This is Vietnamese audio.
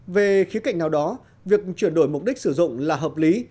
về khía cạnh nào đó việc chuyển đổi mục đích sử dụng là hợp lý